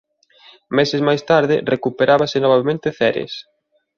Meses máis tarde recuperábase novamente Ceres.